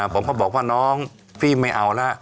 ผมก็บอกว่าน้องพี่ไม่เอาแล้ว